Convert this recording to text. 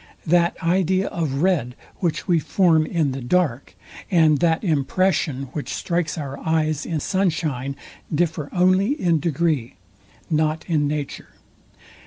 That idea of red, which we form in the dark, and that impression which strikes our eyes in sun shine, differ only in degree, not in nature.